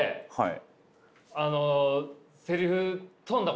はい。